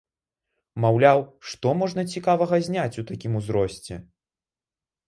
Маўляў, што можна цікавага зняць у такім узросце?